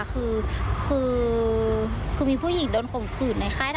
คือตอนนี้วิ่งไปวิ่งมาเหนื่อยมากแล้วค่ะ